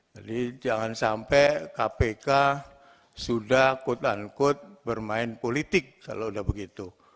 jadi jangan sampai kpk sudah quote unquote bermain politik kalau udah begitu